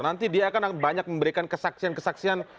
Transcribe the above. nanti dia akan banyak memberikan kesaksian kesaksian